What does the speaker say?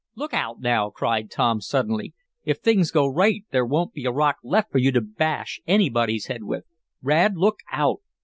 "Look out now!" cried Tom, suddenly. "If things go right there won't be a rock left for you to 'bash' anybody's head with, Rad. Look out!"